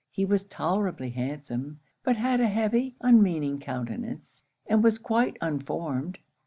He was tolerably handsome; but had a heavy, unmeaning countenance, and was quite unformed.